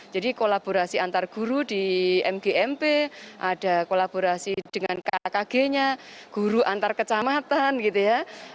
jadi kolaborasi antar guru di mgmp ada kolaborasi dengan kkg nya guru antar kecamatan gitu ya